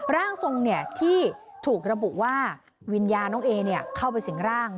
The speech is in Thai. ร่างทรงที่ถูกระบุว่าวิญญาณน้องเอเข้าไปสิงร่าง